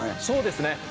そうですね